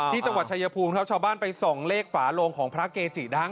จังหวัดชายภูมิครับชาวบ้านไปส่องเลขฝาโลงของพระเกจิดัง